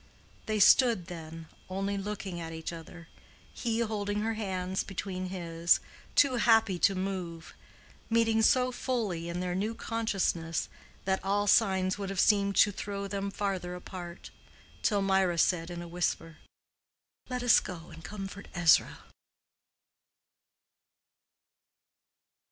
They stood then, only looking at each other, he holding her hands between his—too happy to move, meeting so fully in their new consciousness that all signs would have seemed to throw them farther apart, till Mirah said in a whisper: "Let us go and comfort Ezra."